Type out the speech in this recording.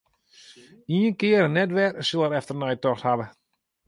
Ien kear en net wer sil er efternei tocht hawwe.